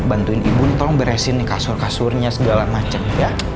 bantuin ibu tolong beresin kasur kasurnya segala macem ya